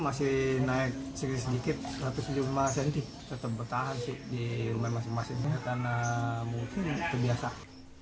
masih naik sedikit sedikit ratus jumlah senti tetap bertahan di rumah masing masing